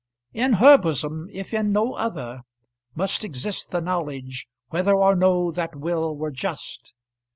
In her bosom, if in no other, must exist the knowledge whether or no that will were just.